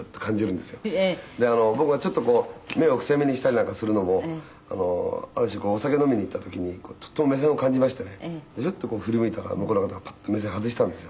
「で僕がちょっとこう目を伏せ目にしたりなんかするのもある種お酒を飲みに行った時にとても目線を感じましてねでフッと振り向いたら向こうの方がパッと目線外したんですよ。